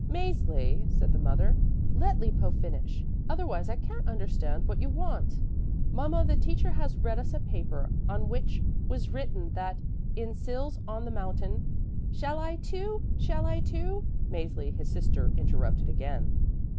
"Mäzli," said the mother, "let Lippo finish; otherwise I can't understand what you want." "Mama, the teacher has read us a paper, on which was written that in Sils on the mountain " "Shall I, too? Shall I, too?" Mäzli, his sister, interrupted again.